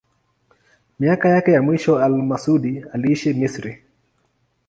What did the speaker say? Miaka yake ya mwisho al-Masudi aliishi Misri.